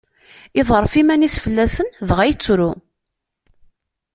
Iḍerref iman-is fell-asen dɣa yettru.